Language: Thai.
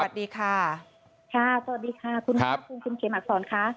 สวัสดีค่ะสวัสดีค่ะคุณครับคุณคุณเขมอักษรค่ะ